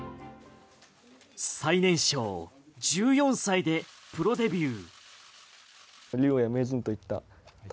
最年少１４歳でプロデビュー。